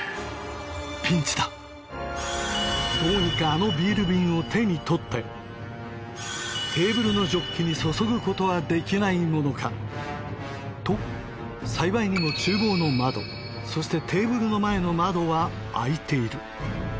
ピンチだどうにかあのビール瓶を手に取ってテーブルのジョッキに注ぐことはできないものか？と幸いにも厨房の窓そしてテーブルの前の窓は開いている